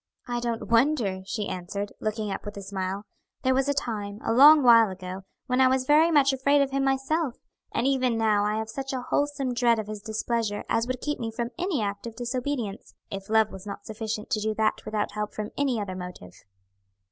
"I don't wonder," she answered, looking up with a smile; "there was a time, a long while ago, when I was very much afraid of him myself; and even now I have such a wholesome dread of his displeasure as would keep me from any act of disobedience, if love was not sufficient to do that without help from any other motive."